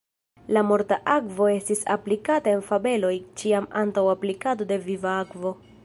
La morta akvo estis aplikata en fabeloj ĉiam antaŭ aplikado de viva akvo.